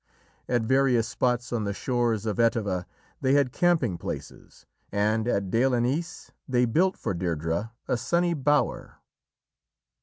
At various spots on the shores of Etive they had camping places, and at Dail an eas they built for Deirdrê a sunny bower.